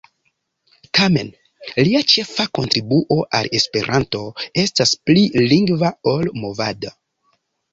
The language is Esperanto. Tamen, lia ĉefa kontribuo al Esperanto estas pli lingva ol movada.